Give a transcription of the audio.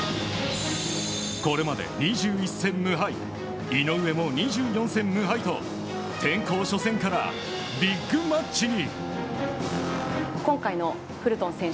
これまで２１戦無敗井上も２４戦無敗と転向初戦からビッグマッチに。